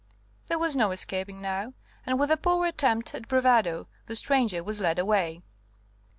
There was no escaping now, and with a poor attempt at bravado the stranger was led away.